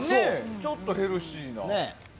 ちょっとヘルシーなね。